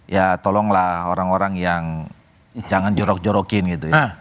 ya tolonglah orang orang yang jangan jorok jorokin gitu ya